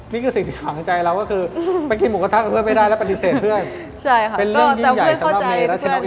นี่คือสิ่งที่ฝังใจเราก็คือไปกินหมูกะทักกับเพื่อนไม่ได้แล้วปฏิเสธเพื่อน